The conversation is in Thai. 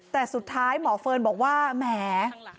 แต่สุดท้ายหมอเฟิร์นบอกว่าแหม